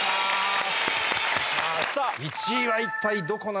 １位は一体どこなのか？